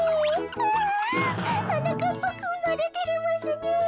ひゃ。はなかっぱくんまでてれますねえ。